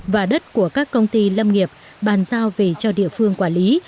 và đất của các công ty lâm nghiệp bàn giao về cho địa phương quản lý